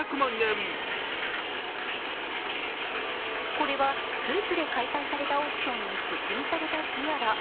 これはスイスで開催されたオークションに出品されたティアラ。